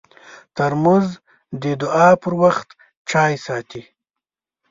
ترموز د دعا پر وخت چای ساتي.